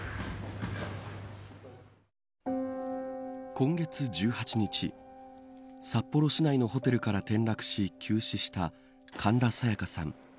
今月１８日札幌市内のホテルから転落し急死した神田沙也加さん。